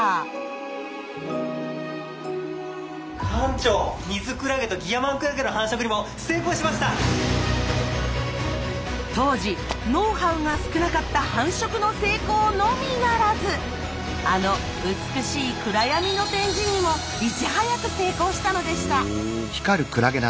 館長当時ノウハウが少なかった繁殖の成功のみならずあの美しい暗闇の展示にもいち早く成功したのでした。